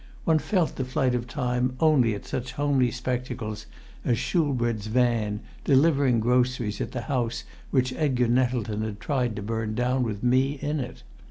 One felt the flight of time only at such homely spectacles as Shoolbred's van, delivering groceries at the house which Edgar Nettleton had tried to burn down with me in it.